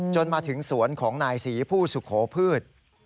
จนมาถึงสวนของนายศรีผู้สุโขพืช